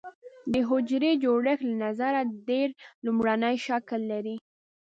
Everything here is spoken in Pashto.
د حجروي جوړښت له نظره ډېر لومړنی شکل لري.